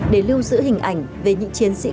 để lưu giữ hình ảnh về những chiến sĩ